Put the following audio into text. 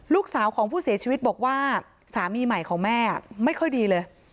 ลูกสาวของผู้เสียชีวิตบอกว่าสามีใหม่ของแม่ไม่ค่อยดีเลย